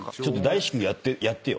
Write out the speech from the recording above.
大至急やってよ。